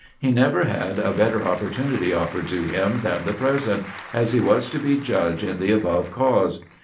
He never had a better opportunity offered to him than the present, as he was to be judge in the above cause.